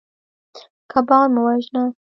کبان مه وژنه.